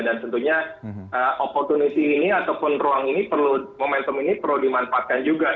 dan tentunya oportunis ini ataupun ruang ini perlu momentum ini perlu dimanfaatkan juga